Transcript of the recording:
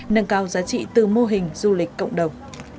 nâng cao giá trị từ mô hình du lịch cộng đồng